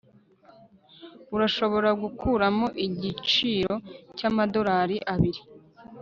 urashobora gukuramo igiciro cyamadorari abiri